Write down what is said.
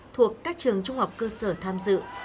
thuộc các trường trung học cơ sở tham dự